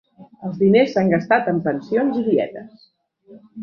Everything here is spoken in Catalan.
Els diners s'han gastat en pensions i dietes